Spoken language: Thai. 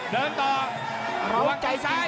เดินต่อหัวใจซ้าย